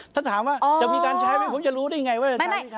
ถ้าถามว่าจะมีการใช้ไหมผมจะรู้ได้ไงว่าจะใช้